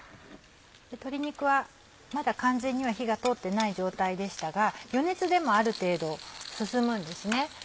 鶏肉はまだ完全には火が通ってない状態でしたが余熱でもある程度進むんですね。